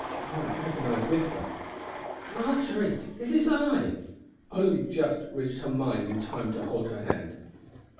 My agonised whisper: "Marjory, it is I!" only reached her mind in time to hold her hand.